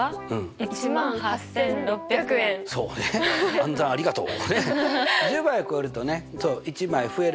暗算ありがとう。